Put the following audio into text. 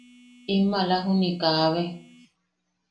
In maala juniʼi kaabe.